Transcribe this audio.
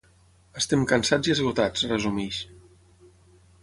Estem cansats i esgotats, resumeix.